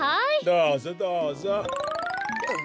どうぞどうぞ。